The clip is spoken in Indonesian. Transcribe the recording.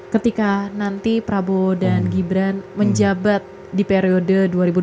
ketika nanti prabowo dan gibran menjabat di periode dua ribu dua puluh empat dua ribu dua puluh sembilan